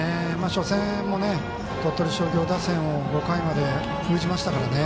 初戦も鳥取商業打線を５回まで封じましたからね。